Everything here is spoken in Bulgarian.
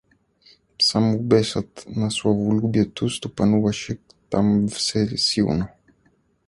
Само бесът на славолюбието ступануваше там всесилно.